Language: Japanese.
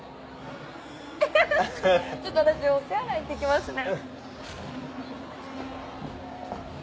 ウフフちょっと私お手洗い行って来ますね。